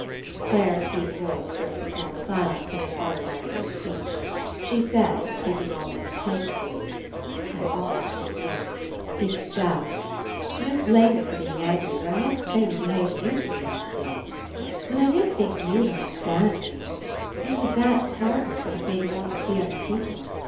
Clare's deep voice broke the small si lence that had followed Irene's speech. She said, speaking almost plaintively: *'I ought to have known. It's Jack. I don't blame you for being angry, though I must say you behaved beautifully that day. But I did think you'd understand, 'Rene. It was that, partly, that has made me want to see other people.